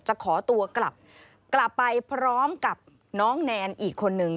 จะขอตัวกลับกลับไปพร้อมกับน้องแนนอีกคนนึง